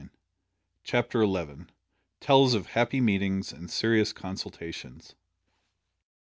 CHAPTER ELEVEN. TELLS OF HAPPY MEETINGS AND SERIOUS CONSULTATIONS.